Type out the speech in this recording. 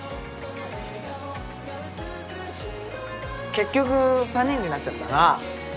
結局３人になっちゃったな。